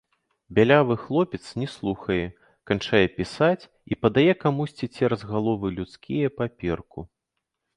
Бялявы хлопец не слухае, канчае пісаць і падае камусьці цераз галовы людскія паперку.